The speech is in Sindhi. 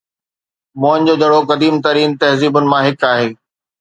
موئن جو دڙو قديم ترين تهذيبن مان هڪ آهي